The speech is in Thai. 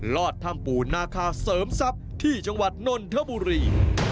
อดถ้ำปู่นาคาเสริมทรัพย์ที่จังหวัดนนทบุรี